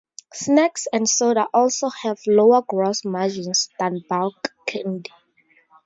Snacks and soda also have lower gross margins than bulk candy.